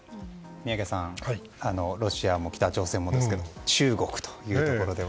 宮家さん、ロシアも北朝鮮も中国というところでは。